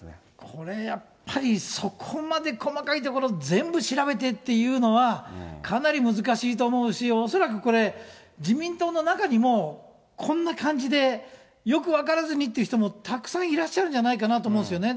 これやっぱり、そこまで細かいところ全部調べてっていうのは、かなり難しいと思うし、恐らくこれ、自民党の中にも、こんな感じで、よく分からずにっていう人もたくさんいらっしゃるんじゃないかなと思うんですよね。